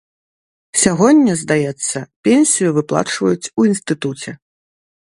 Сягоння, здаецца, пенсію выплачваюць у інстытуце.